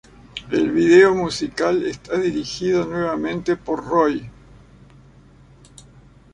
El video musical está dirigido nuevamente por "Roy".